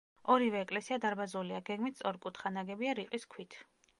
ორივე ეკლესია დარბაზულია, გეგმით სწორკუთხა, ნაგებია რიყის ქვით.